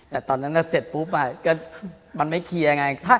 แต่ตอนนั้นเสร็จปุ๊บก็มันไม่เคลียร์ไง